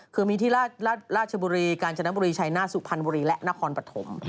คือมีที่ราชบุรีกาญจนบุรีชัยหน้าสุพรรณบุรีและนครปฐม